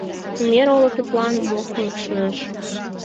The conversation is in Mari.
Мер олыкетлан мо шуэш?